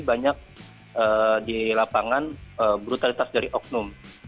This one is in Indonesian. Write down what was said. banyak di lapangan brutalitas dari oknum